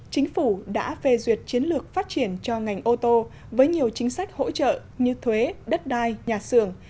chính phủ đã phê duyệt chiến lược phát triển cho ngành ô tô với nhiều chính sách hỗ trợ như thuế đất đai nhà xưởng